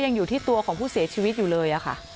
ยังอยู่ที่ตัวของผู้เสียชีวิตอยู่เลยค่ะ